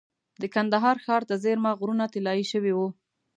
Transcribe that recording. د کندهار ښار ته څېرمه غرونه طلایي شوي وو.